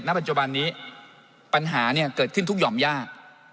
ปัจจุบันนี้ปัญหาเนี่ยเกิดขึ้นทุกหย่อมยาก